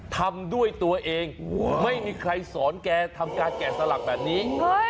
ทำด้วยตัวเองไม่มีใครสอนแกทำการแก่สลักแบบนี้